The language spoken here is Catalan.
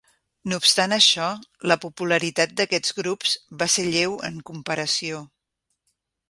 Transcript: No obstant això, la popularitat d'aquests grups va ser lleu en comparació.